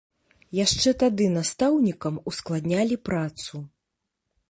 Яшчэ тады настаўнікам ускладнялі працу.